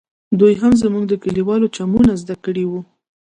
دوى هم زموږ د کليوالو چمونه زده کړي وو.